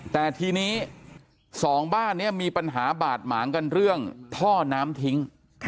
แต่ทีนี้สองบ้านนี้มีปัญหาบาดหมางกันเรื่องท่อน้ำทิ้ง